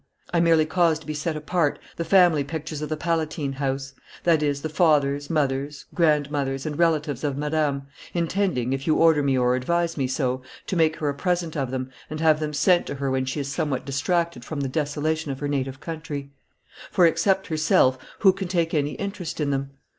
I merely caused to be set apart the family pictures of the Palatine House; that is, the fathers, mothers, grandmothers, and relatives of Madame; intending, if you order me or advise me so, to make her a present of them, and have them sent to her when she is somewhat distracted from the desolation of her native country; for, except herself, who can take any interest in them?